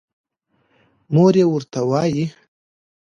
مور يې ورته وايې